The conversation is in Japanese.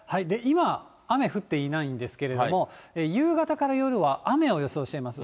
今、雨降っていないんですけれども、夕方から夜は雨を予想しています。